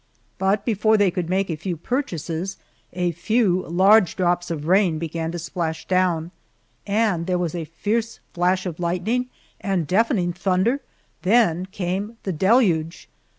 But before they could make a few purchases, a few large drops of rain began to splash down, and there was a fierce flash of lightning and deafening thunder, then came the deluge!